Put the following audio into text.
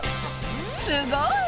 すごい！